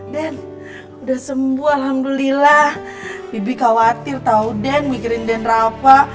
den udah sembuh alhamdulillah bibi khawatir tau den mikirin den rafa